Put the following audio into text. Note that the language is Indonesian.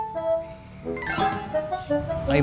lima ribu lebih